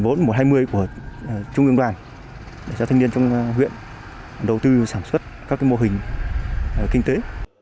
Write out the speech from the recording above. vốn một trăm hai mươi của trung ương đoàn để cho thanh niên trong huyện đầu tư sản xuất các mô hình kinh tế